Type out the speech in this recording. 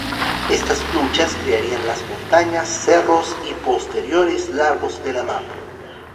Estas luchas crearían las montañas, cerros y posteriores lagos de la mapu.